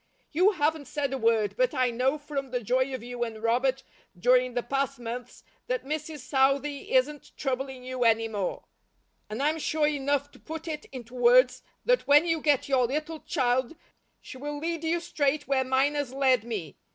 You haven't said a word, but I know from the joy of you and Robert during the past months that Mrs. Southey isn't troubling you any more; and I'm sure enough to put it into words that when you get your little child, she will lead you straight where mine as led me.